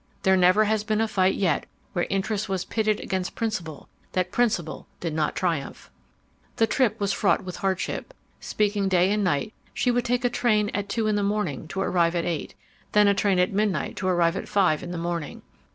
There never has been a fight yet where interest was pitted against principle that principle did not triumph!' ".. The trip was fraught with hardship. Speaking day and night, she would take a train at two in the morning to arrive at eight; then a train at midnight to arrive at five in the morning.